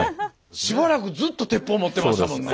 しばらくずっと鉄砲持ってましたもんね。